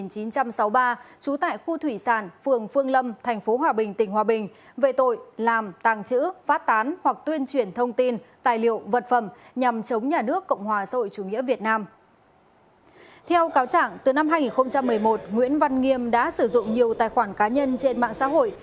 theo cáo trạng từ năm hai nghìn một mươi một nguyễn văn nghiêm đã sử dụng nhiều tài khoản cá nhân trên mạng xã hội